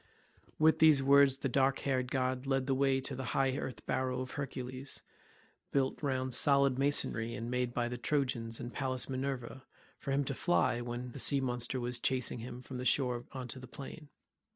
With these words the dark haired god led the way to the high earth barrow of Hercules, built round solid masonry, and made by the Trojans and Pallas Minerva for him to fly to when the sea monster was chasing him from the shore on to the plain.